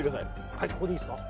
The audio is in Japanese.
はいここでいいですか？